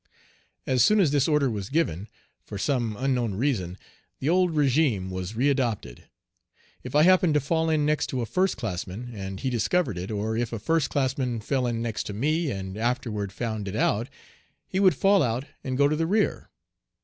As soon as this order was given, for some unknown reason, the old régime was readopted. If I happened to fall in next to a first classman, and he discovered it, or if a first classman fell in next to me, and afterward found it out, he would fall out and go to the rear.